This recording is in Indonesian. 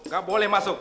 gak boleh masuk